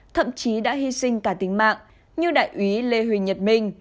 thậm chí đã hy sinh cả tính mạng như đại úy lê huỳnh nhật minh